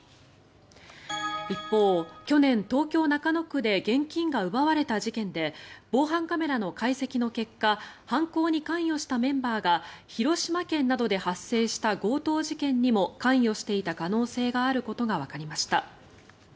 一方、去年、東京・中野区で現金が奪われた事件で防犯カメラの解析の結果犯行に関与したメンバーが広島県などで発生した強盗事件にも関与していた可能性があることがわかりました。